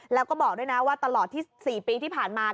แล้วก็บอกด้วยนะว่าตลอดที่๔ปีที่ผ่านมา